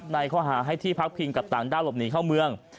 ในข้อหาให้ที่พักพิงกับต่างด้าวหลบหนีเข้าเมือง